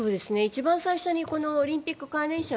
最初にオリンピック関係者を